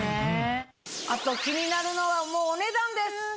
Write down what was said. あと気になるのはお値段です！